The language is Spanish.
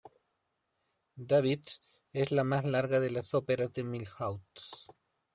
David es la más larga de las óperas de Milhaud.